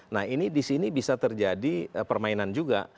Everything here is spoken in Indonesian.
nah ini di sini bisa terjadi permainan juga